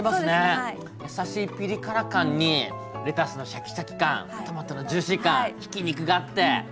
やさしいピリ辛感にレタスのシャキシャキ感トマトのジューシー感ひき肉があって。